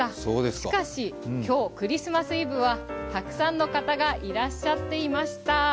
しかし、今日、クリスマスイブはたくさんの方がいらっしゃっていました。